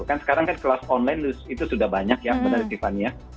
kan sekarang kan kelas online itu sudah banyak ya benar tiffany